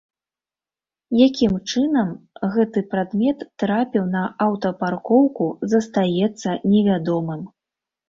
Якім чынам гэты прадмет трапіў на аўтапаркоўку застаецца невядомым.